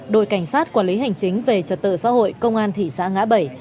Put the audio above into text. đội cảnh sát quản lý hành chính về trật tự xã hội công an thị xã ngã bảy